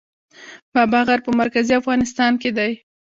بابا غر په مرکزي افغانستان کې دی